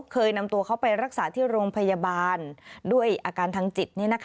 เคยนำตัวเขาไปรักษาที่โรงพยาบาลด้วยอาการทางจิต